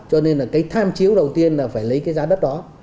cho nên là cái tham chiếu đầu tiên là phải lấy cái giá đất đó